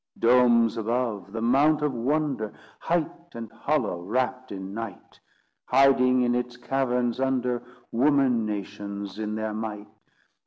Domes above, the mount of wonder; Height and hollow wrapt in night; Hiding in its caverns under Woman nations in their might.